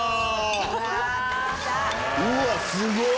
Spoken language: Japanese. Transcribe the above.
うわすごい！